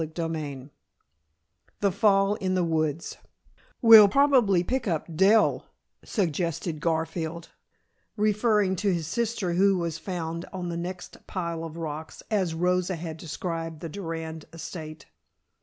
CHAPTER V THE FALL IN THE WOODS "We'll probably pick up Dell," suggested Garfield, referring to his sister who was found on the "next pile of rocks," as Rosa had described the Durand estate.